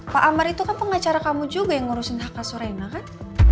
pak amar itu kan pengacara kamu juga yang ngurusin hak asu rena kan